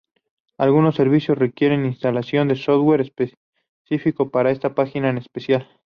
Algunos servicios requieren instalación de software específico para esa página en especial.